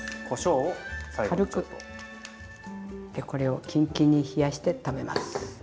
これをキンキンに冷やして食べます。